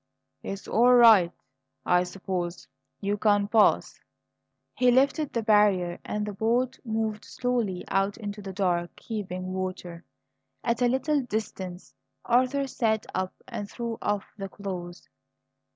"It's all right, I suppose. You can pass." He lifted the barrier and the boat moved slowly out into the dark, heaving water. At a little distance Arthur sat up and threw off the clothes.